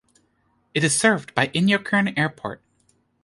It is served by Inyokern Airport.